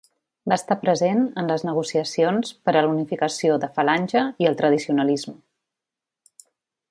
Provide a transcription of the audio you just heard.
Va estar present en les negociacions per a la unificació de Falange i el Tradicionalisme.